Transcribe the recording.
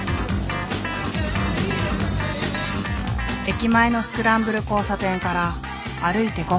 駅前のスクランブル交差点から歩いて５分。